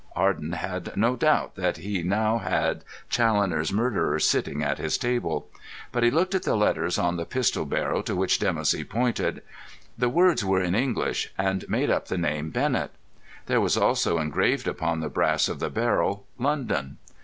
Arden had no doubt that he had now Challoner's murderer sitting at his side. But he looked at the letters on the pistol barrel to which Dimoussi pointed. The letters were in English, and made up the name "Bennett." There was also engraved upon the brass of the barrel "London."